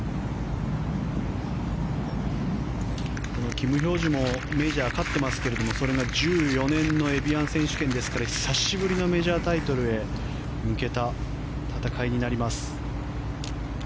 キム・ヒョージュもメジャー勝ってますけども２０１４年のエビアン選手権ですから久しぶりのメジャータイトルへ向けた戦いになります。